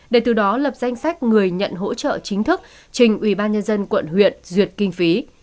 để từ đó lập danh sách người nhận hỗ trợ chính thức trình ubnd quận huyện duyệt kinh phí